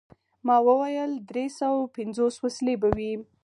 ما وویل: دری سوه پنځوس وسلې به وي.